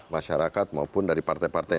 masyarakat maupun dari partai partai